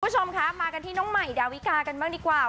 คุณผู้ชมคะมากันที่น้องใหม่ดาวิกากันบ้างดีกว่า